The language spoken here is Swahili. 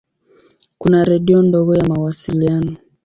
Kuna redio ndogo ya mawasiliano.